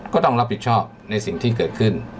ก็ต้องรับผิดชอบในสิ่งที่เกิดขึ้น